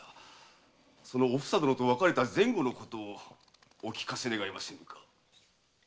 おふさ殿と別れた前後のことをお聞かせ願えませんか。